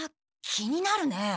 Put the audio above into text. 気になるねえ。